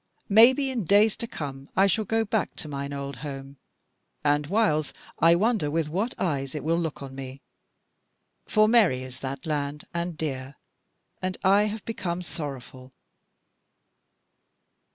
Maybe in days to come I shall go back to mine old home; and whiles I wonder with what eyes it will look on me. For merry is that land, and dear; and I have become sorrowful."